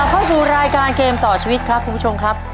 เข้าสู่รายการเกมต่อชีวิตครับคุณผู้ชมครับ